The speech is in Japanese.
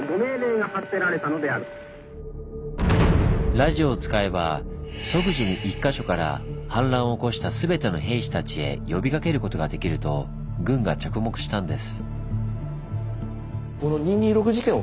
ラジオを使えば即時に１か所から反乱を起こした全ての兵士たちへ呼びかけることができると軍が着目したんです。